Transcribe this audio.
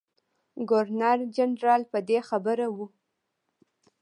ګورنر جنرال په دې خبر وو.